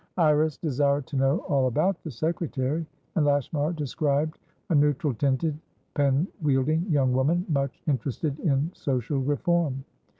Iris desired to know all about the secretary, and Lashmar described a neutral tinted, pen wielding young woman, much interested in social reform.